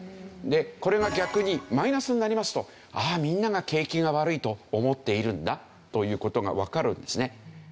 でこれが逆にマイナスになりますとあっみんなが景気が悪いと思っているんだという事がわかるんですね。